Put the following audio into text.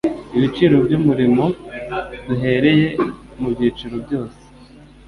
ibiciro by' umurimo duhereye mu byiciro byose